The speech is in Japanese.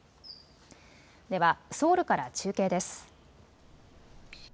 ではソウルから中継です。